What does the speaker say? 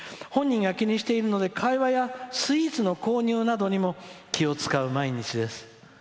「本人が気にしているので会話や、スイーツの購入などにも気を遣う毎日です」。